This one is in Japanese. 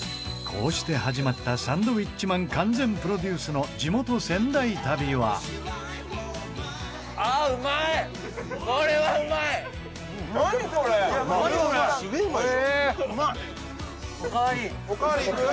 こうして始まったサンドウィッチマン完全プロデュースの地元・仙台旅は伊達：おかわり、いく？